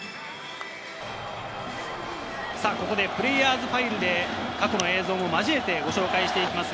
プレイヤーズファイルで過去の映像も交えてご紹介していきます。